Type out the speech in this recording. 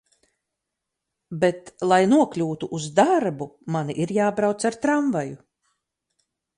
Bet, lai nokļūtu uz darbu, man ir jābrauc ar tramvaju.